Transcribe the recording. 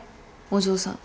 お嬢さん。